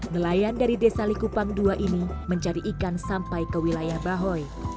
nelayan dari desa likupang ii ini mencari ikan sampai ke wilayah bahoy